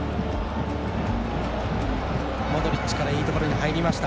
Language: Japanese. モドリッチからいいところに入りました。